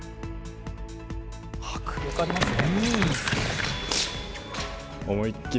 迫力ありますね。